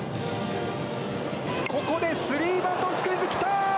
ここでスリーバントスクイズ来た！